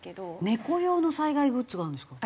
ネコ用の災害グッズがあるんですか？